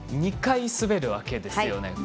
２回、滑るわけですよね。